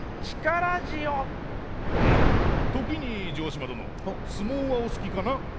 うん時に城島殿相撲はお好きかな？